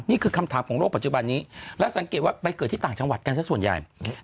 นี่คือคำถามของโลกปัจจุบันนี้แล้วสังเกตว่าไปเกิดที่ต่างจังหวัดกันสักส่วนใหญ่